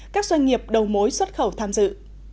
các doanh nghiệp đầu mối xuất khẩu tham dự